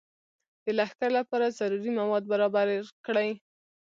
د لښکر لپاره ضروري مواد برابر کړي.